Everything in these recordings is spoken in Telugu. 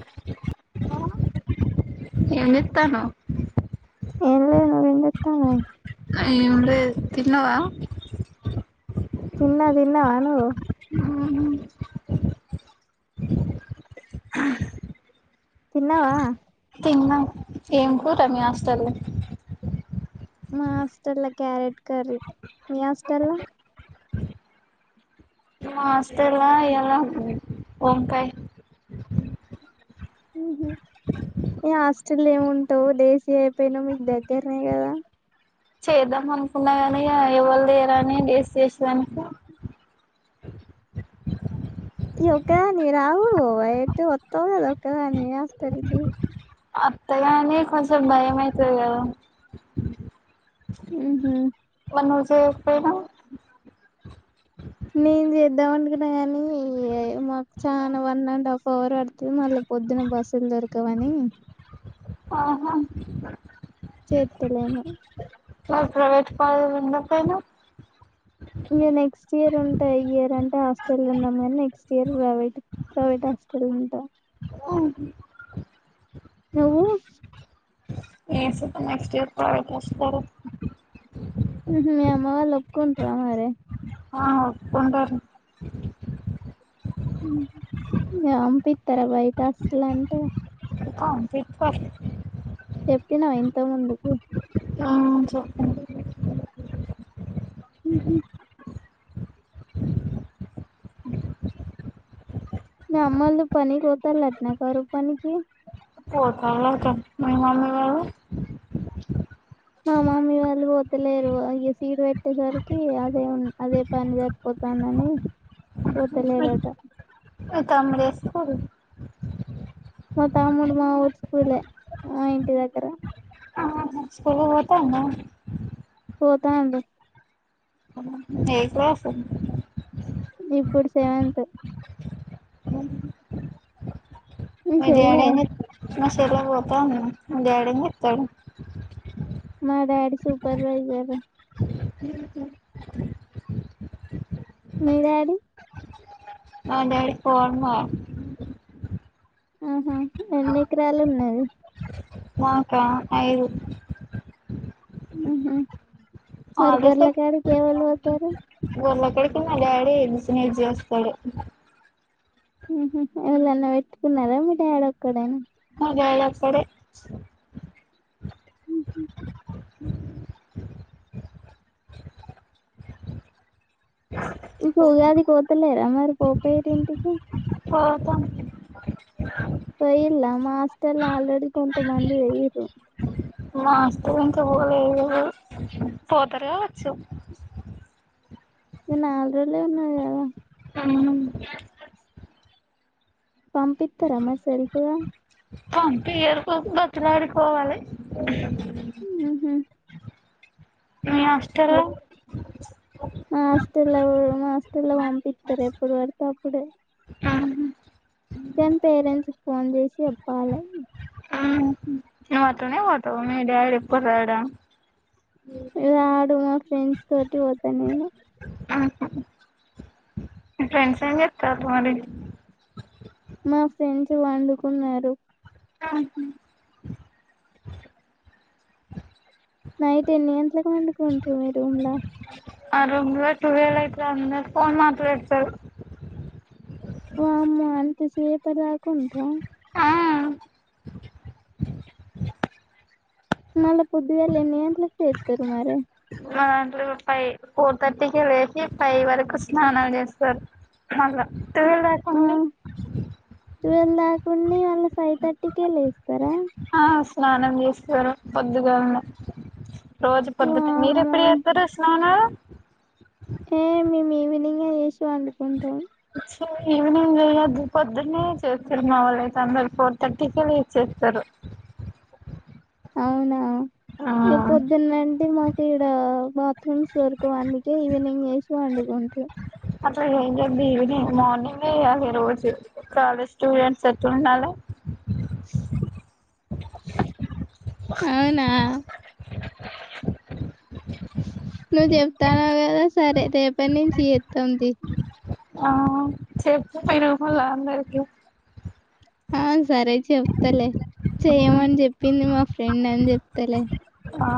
అ అ ఏ నిత్తాను ఏం లేదు నువ్వేం జేతానవు ఏముంటది తినవ తిన్న తిన్నావను ఆ తిన్నావా న్న ఏం కూడాట మీ ఆస్తలు మా అష్టలా క్యారెట్ కర్రీ న అష్టల్ అస్తేలా ఎలా ఓంకాయ హ న హాస్టల్ ఏమింటావు దేశీ అయిపోయినావు మీకు దగ్గరనే కదా చేద్దాం అనుకున్నా కాని ఎవరు లేరాని డేస్ చేసేదానికి ఈ ఒక్కదాని రాహ ఎట్ వత్తద ఒకక్కదాని హాస్టల్ కి అత్తగాని కొంచెం భయం అవుతుంది కదా ఆ చెప్పేనా నేను చేద్దాం అంటకున్నా కాగానీ మాకు చాలా వన్ అండ్ హాఫ్ అవర్ పడుతుది మళ్ళీ పొద్దున బస్సులు దొరకవని ఆహా చేతలేమ ప్రైవేట్ పన్నప్పైనా ఇ నెక్స్ట్ ఇయర్ ఉంటా ఈ ఇయర్ అంటే హాస్టల్ ఉన్నాం కానీ next year private private hostel ఉంటా నువ్వు ఏ స నెక్స్ట్ ఇయర్ ప్రసారు అమా వా లోకు త అరి ఆ ఒప్పుంటారు పంపిస్తారా బయట అసలు అంటే కంప్లీట్ ప చెప్పినావు ఇంత ముందుకు అవు చెప్పండి హ అమ్మలు పని కోత ట్నా కారు పనికి పోతలాత మమ మా మమీ వాళ్ళు పోతలేరు అయ సీడ్ పెట్టేసరికి అదే అదే పని సరిపోతానని పోతలేరుట అతే అంలే స్కల్ మా తాముడు మా ఊర్ స్కూల్ మా ఇంటి దగగర స్క పోతా పోతా అ భై ఏకుస ఇప్పుడు సెవంతంత్ మీ మర్యాణ చెల్లె అ మ సలా పోతా డంగాతడు మా డాడీ సూపర్వైజర్ మీరడి మ డాడీ పో అట్నావే ఆహా ఎన్నికరాలు ఉన్నాయి మాకా అఐదు ఉ అ హాలిడేస్ లో గర్లా కాడి క వాళుతారు ఇక్కడకి మలళ ఏసినజస్తడు ఎళన్నా పెట్టుకున్నారా మీ డాడ ఒక్కడైనా క్కడ ఉహు ఇంక ఉగాది కోతులేర మరి పోపోయట ఇంటికి పోతాం. పోయిల్లా మ హస్టెల్ ల్ల అల్రడీ కొంత పోయింర్రు. మాస్క, కొచ్చావోలేదు, పోతారు కావచ్చు. ఇగ నాల్ రోజులే, ఉన్నాది గదా. [inaudible] పంపిత్తరం మరి సెల్ఫ్గా పంపియ్యారు, బా బతిలాడి, పోవాలే. ఉహు మీ ఆస్టల్లో. హస్టల్లో, మ మాస్టల్లో, పంపిత్తరు, ఎప్పుడు పడితే, అప్పుడే. కని పేరెంట్స్ కీ, ఫోన్ చేసి అప్పాలే. నువ్వు అట్లనే పోతావు, మీ డాడీ ఎప్పుడు రాడా. ఇలా ఆడు మ. ఫ్రెండ్స్ తోటి, పోతా నేను. మీ ఫ్రెండ్స్, ఎం జీత్తరు మారి. మా ఫ్రెండ్స్, వండుకున్నారు. నైట్ ఎన్ని గట్లకి వండుకుంట్రారు, మీ రూమ్ ల. అ రూమ్ ల టూవల్ అయితే, అందరు ఫోన్ మాట్లాడుతారు. ఓమ్మో అంత సేపటిదాకా ఉంట్రా. మల్ల పొద్దుగాల ఎన్ని గంటలకు లేత్తరు మరి. మా దాంట్లో ఫై, ఫోర్ తట్టికి లేసి, ఫైవ్ వరకు, స్నానం చేస్తారు, మళ్ళ. టువెల్ దాక ఉంది. టువెల్ దాక ఉంది మల్ల ఫై తట్టికే లే. ఆస్. స్నానం జెస్తారు పొద్దుగాలనే. రోజు పొద్దున్నే, మీరు వామ్మో ఎప్పుడు ఎత్తారు స్నానము., ఏ మేము ఈవినింగే జేసీ, పండుకుంటాం. సో ఈవినింగ్ జెయొద్దు, పొద్దునే చేస్తారు, మా వాళ్ళ అయితే అందరు, ఫోర్ తట్టికే లేసి, చేస్తారు. అవునా. ఇగ పొద్దున్నటే మాకు. ఇడ, బాత్రూమ్స్, దొరకవు, అందుకే ఈవినింగ్ చేసి వండుకుంర్రు. అసలు ఏం జదు ఈవినింగ్, మార్నింగ్ చేయ్యాలి రోజు కాలేజ్ స్టూడెంట్స్ ఎట్లుండాలే. అవునా. నువ్వు చెప్తాను కదా సరే రేపటి నుంచి ఎతమ్ తియ్. ఆ చెప్పు పైన ఉన్నోళందరికి. ఆ సరే చెప్తలే చెయమని చెప్పింది మా ఫ్రెండ్ అని చెప్తలే. ఆ.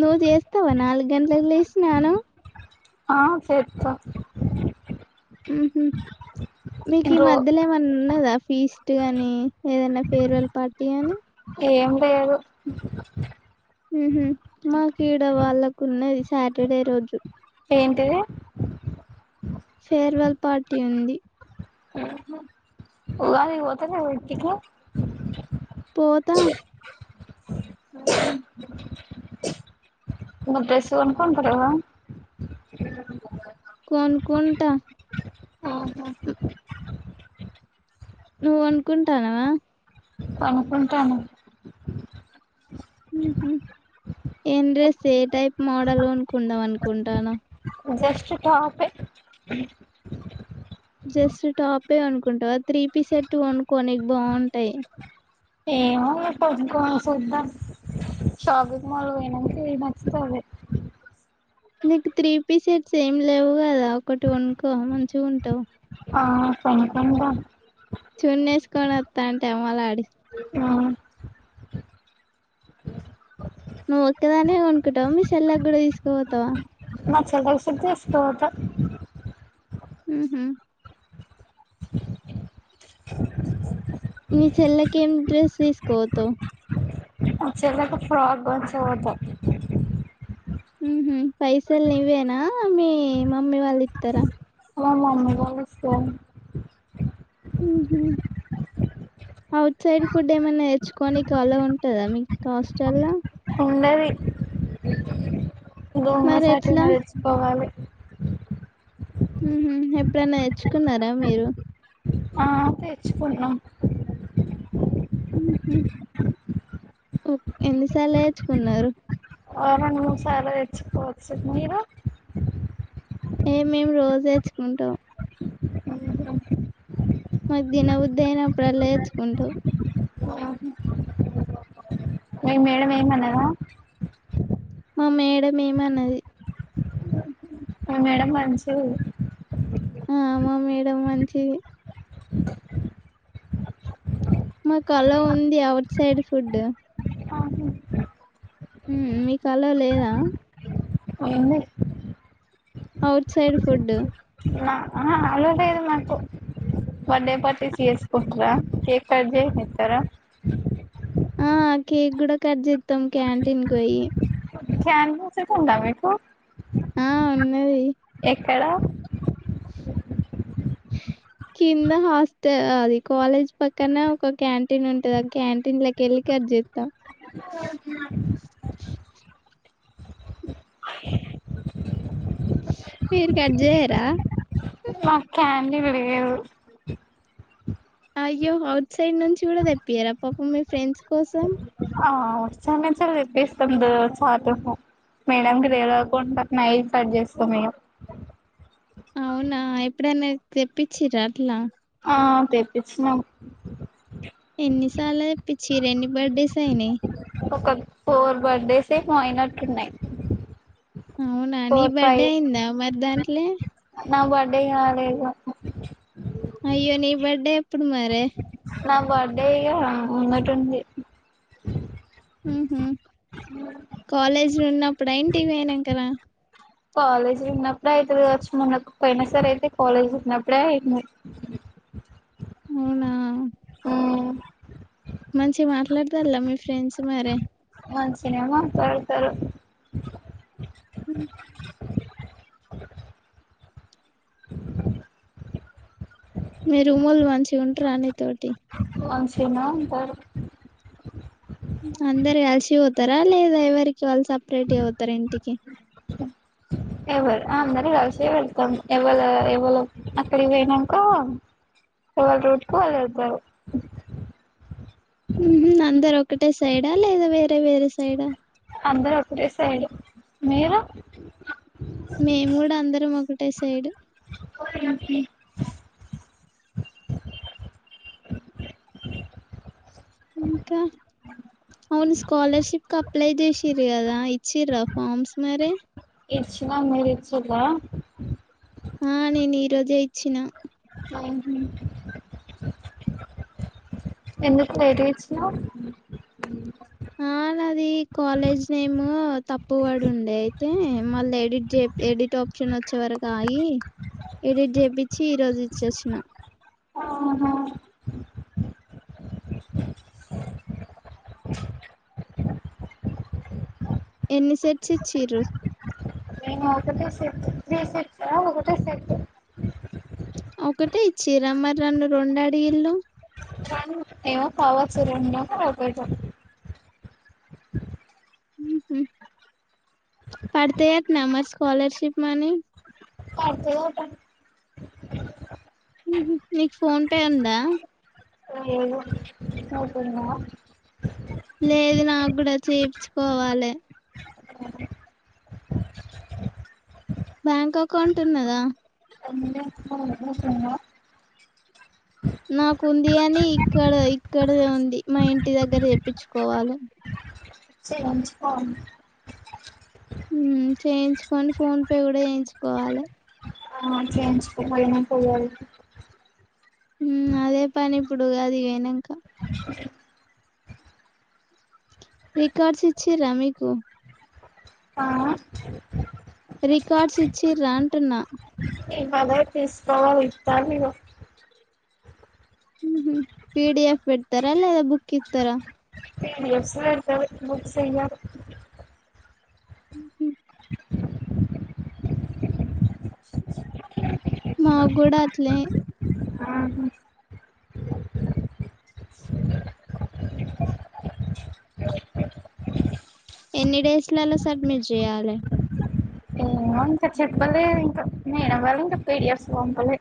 నువ్వు చేస్తావా నాలుగు గంటలకు లేసి సాన్నం. అ చెత్త. హు ఉమ్. మీకు ఈ రో మధ్యల ఏమన్నా ఉన్నదా. ఫీస్ట్ కాగాని ఏదైనా ఫేర్వెల్ పార్టీ గాని. ఏం లేదు. మ్ హు మాకిీడ వాళ్ళకు ఉన్నది సాటర్డే రోజు ఏంటిది ఫేర్వెల్ పార్టీ ఉంది ఉగాదికి పోతలేవ ఇంటికి పోతా అ నువ్ డ్రెస్ కొనుకుంటలేవా కోనుకుంటా ఓహో నువ్వు కొనుకుంటానవ కొనుకుంటాన మ్ హు ఏం డ్రెస్ ఏ టైప్ మోడల్ కొనుకుందాం అనుకుంటానవ్ జస్ట్ టాప్ ఏ జస్ట్ టాపే కొనుకుంటవ త్రీపీ సెట్ కొనుకో నీకు బాగుంటయ్ ఏమో రేపేద్గ్గో సుద్దాం షాపింగ్ మాల్కు పోయినంక ఏది నచ్చితే అదే నీకు త్రీ పీస్ సెట్స్ ఏం లేవ్వు కదా ఒకటి కొన్కో మంచిగుంటవ్ ఆ కొనుకుంటా చూన్నేసుకొని ఒతంటే అమ్మలాడి ఆ నువ్వు ఒక్కదానే కొనుకుంటావ మీ చెెల్లకు కూడా తీసుకపోతావ మా చెల్లెకుసుత తీసుకపోత మ్ హమ్ మీ చెల్లకి ఏం డ్రెస్ తీసుకపోతవ్ మా చెల్లెకు ఫ్రాక్ కొంచపోత మ్ హు పైసలునివ్వేనా మీ మమ్మీ వాళ్ళు ఇత్తరా మా మమ్మీ వాళ్ళు ఇస్తారు మ్ హు ఔట్ సైడ్ ఫుడ్ ఏమైనా నేర్చుకోొనికి అలో ఉంటదా మీకు హాస్టల్ల్లా ఉండది దొంగ మరి సాటుగ్గ ఎట్లా తెచ్చుకోవలే ఇ మ్ హు ఎప్పుడన్న నేర్చుకున్నారా మీరు ఆ తెచ్చుకున్నాం మ్ హు ఎన్నిసార్ల తేచ్చుకున్నారు ఓ రెండు మూడు సార్ల తెచ్చుకోవచ్చు మీరు ఏ మేము రోజు తేచ్చుకుంటం మాకు తిన బుద్ది అయినప్పుడల్ల తెచ్చుకుంటం మీ మేడం ఏమనదా మా మేడం ఏమనది మా మేడం మంచిది అ మ మేడం మంచిది మాకు అలో ఉంది ఔట్ సైడ్ ఫుడ్డు హు మీకు అలో లేదా ఏంది ఔట్ సైడ్ ఫుడ్ న అహ అలో లేదు మాకు బర్త్డే పార్టీస్ చేసుకుంటర కేక్ కట్ చేపిత్తర ఆ కేక్ కూడా కట్ చెత్తం క్యాంటీన్ కు పోయి క్యాంటిన్ సుత ఉందా మీకు ఆ ఉన్నాయ్ ఎక్కడ కింద హాస్ట అది కాలేజ్ పక్కన ఒక క్యాంటీన్ ఉంటది ఆ క్యాంటీన్ లోకి కట్ చేతా మీరు కట్ చేయరా మాక్ కాండిల్ లేదు అయ్యో అఔట్ సైడ్ నుంచి కూడా తెపియారా పాపం మీ ఫ్రెండ్స్ కోసం ఆ వ చాలా తెపిస్తాం దోస అట్ల మేడం తెలవకుండా నైట్ కట్ చేస్తాం అవునా ఎప్పుడైనా తెప్పించిరా అట్లా ఆ తెప్పచ్చినం ఎన్నిసార్లు తెపించిరు ఎన్ని బర్త్డేస్ అయినాయి ఒక ఫోర్ బర్త్డేస్ ఏమో అయినట్టు ఉన్నాయి అవునా ని బర్త్డే అయిందా మరి దాంట్లో లే నా బర్డే కాలేదు అయ్యో నీ బర్త్డే ఎప్పుడు మరి నా బర్డే ఇగ ముందతుంది హ్మ్ హు కాలేజీ లో ఉన్నప్పుడ ఇంటికి పోయినాకన కాలేజ్ ఉన్నప్పుడే అయితది కావచ్చు మొన్న పోయినసారి అయితే కాలేజ్ ఉన్నప్పుడే అయింది అవునా ఉమ్ మంచి మాట్లాడతలా మీ ఫ్రెండ్స్ మరే మంచినే మాట్లాడుతారు హ మీరు రూమోలు మంచి ఉంటరా నితోటి మంచినా ఉంటారు అందరు కలిసిపోతారా లేదా ఎవరికి వాళ్ళు సపరేట్గ పోతారా ఇంటికి ఎవరు అందరు కలిసి వెళ్తాం ఎవళ ఎవళ అక్కడికి పోయినాక ఎవళ రూట్క్ వాళ్ళు వెళ్తారు హ్మ్ హు అందరు ఒకటే సైడా ఆహ్ లేదా వేరే వేరే సైడ్ ఆహ్ అందరు ఒకటే సైడ్ మీరు మేము కూడా అందరం ఒకటే సైడ్ అ ఇంకా అవును స్కాలర్షిప్ అప్లై చేసిరు కదా ఇచ్చిరా ఫార్మ్స్ మరే ఇచ్చిన మీరు ఇచ్చిరా ఆ నేను ఈ రోజే ఇచ్చినా హ్మ్ హు ఎందుకు ఏడిచిన్నావ్ ఆ నాది కాలేజ్ నేమ్ తప్పుపడి ఉండే అయితే మళ్ళీ ఎడిట్ చే ఎడిట్ ఆప్షన్ వచ్చే వరకు ఆగి ఎడిట్ చేపించి ఈ రోజు ఇచోచిన అహ ఎన్ని సెట్స్ ఇచిరు మేము ఒకటే సెట్ త్రి సెట్స్ ఆహ్ ఒకటే సెట్ ఒకటే ఇచ్చిరా మరి నన్ని రెండు అడిగిలు ఏమో పవర్స్ రెండు [unintelligible] ఒకటి హ్మ్ హు పడతే నమ స్కాలర్ ష్ పడ్తాయోట హ్మ్ హు మీకు ఫోన్ పే ఉందా లేదు నీకు ఉందా లేదు నాకు కూడా చేపించుకోవాలి బ్యాంక్ అకౌంట్ ఉన్నదా [inaudible] నాకుంది అని ఇక్కడ ఇక్కడ ఉంది మా ఇంటి దగ్గర చెప్పించుకోవాలి సంచకో చేయించుకొని ఫోన్ పే కూడా చేయించుకోవాలి ఆ చేయించుకో మల్ల మనకి అదే పని ఇప్పుడు అది వనాక రికార్డ్స్ ఇచ్చారా మీకు ఆ రికార్డ్స్ ఇచ్చి రా అంటున్నా ఇవాళ తీసుకోవా ఇత్తారొ పి డిఎఫ్ పెడతారా లేదా బుక్ ఇతారా [inaudible] హుహు. మగుడ అట్లని ఆహ ఎన్ని డేస్ లాలో సార్మిట్ చేయాలి ఇంకా చెప్పలే ఇంకా నేనవాల ఇంకా పేడిఎఫస్ పంపలే